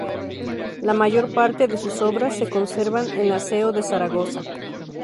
La mayor parte de sus obras se conservan en la Seo de Zaragoza.